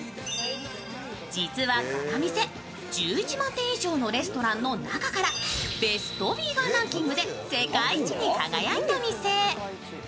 実はこの店、１１万店以上のレストランの中からベスト・ヴィーガンランキングで世界一に輝いた店。